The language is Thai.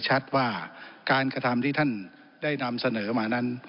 ชัดว่าการกระทำที่ท่านได้นำเสนอมานั้น